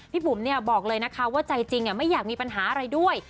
บุ๋มบอกเลยนะคะว่าใจจริงไม่อยากมีปัญหาอะไรด้วย